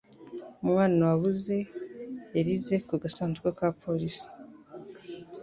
Umwana wabuze yarize ku gasanduku ka polisi.